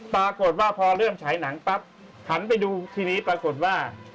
ปรากฏว่าพอเริ่มฉายหนังปั๊บหันไปดูทีนี้ปรากฏว่า